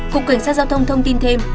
cục cảnh sát giao thông thông tin thêm